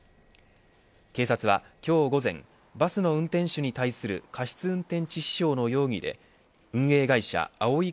警察は今日午前、バスの運転手に対する過失運転致死傷の容疑で運営会社あおい